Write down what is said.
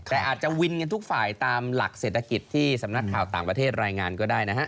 แต่อาจจะวินกันทุกฝ่ายตามหลักเศรษฐกิจที่สำนักข่าวต่างประเทศรายงานก็ได้นะฮะ